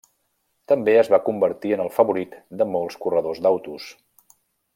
També es va convertir en el favorit de molts corredors d'autos.